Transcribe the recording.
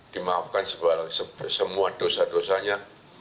dimaafkan semua dosa dosanya